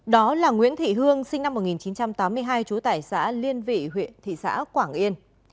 đó là nguyễn thị hương sinh năm một nghìn chín trăm tám mươi hai trú tại xã liên vị huyện thị xã quảng yên